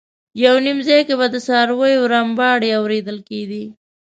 یو نیم ځای کې به د څارویو رمباړې اورېدل کېدې.